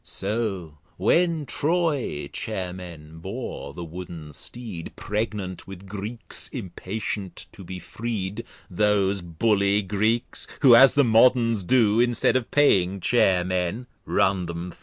So when Troy Chair men bore the Wooden Steed, Pregnant with Greeks, impatient to be freed, (Those Bully Greeks, who, as the Moderns do, Instead of paying Chair men, run them thro'.)